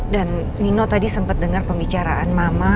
dan nino tadi sempet denger pembicaraan mama